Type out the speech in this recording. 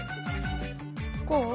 こう？